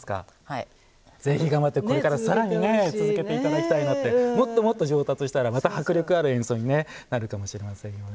ぜひ頑張ってこれからも続けていってもっともっと上達したらまた迫力ある演奏になるかもしれませんよね。